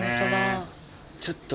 ちょっと。